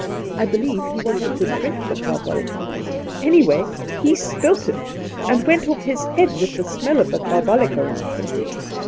I believe he, wanted to drink the carbolic. Any way, he spilt it, and went oS his head with the smell of carbolic around him.